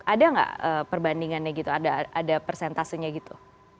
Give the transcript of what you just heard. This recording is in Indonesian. ada nggak perbandingannya gitu ada persentasenya gitu